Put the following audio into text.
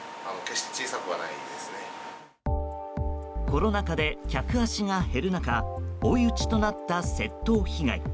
コロナ禍で客足が減る中追い打ちとなった窃盗被害。